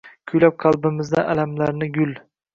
Kuylab qalbimizdan alamlarni yul